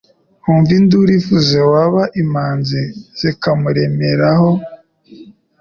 Wumva induru ivuzeWaba imanzi zikamuremeraho